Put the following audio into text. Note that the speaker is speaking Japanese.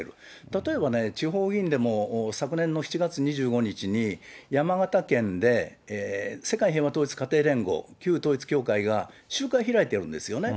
例えばね、地方議員でも昨年の７月２５日に、山形県で、世界平和家庭統一連合、旧統一教会が集会を開いてるんですよね。